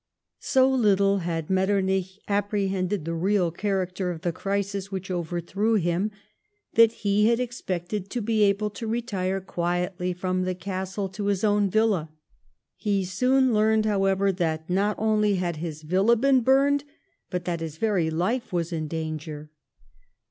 So little had Metternich apprehended the real character of the crisis which overthrew him that he had expected to be able to retire quietly from the Castle to his own villa. He soon learned, however, that not only had his villa been burned, but that his very life was in danger.